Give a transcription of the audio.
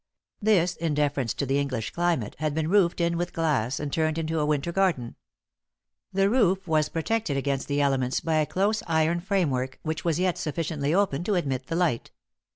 This, in deference to the English climate, had been roofed in with glass and turned into a winter garden. The roof was protected against the elements by a close iron frame work, which was yet sufficiently open to admit the light.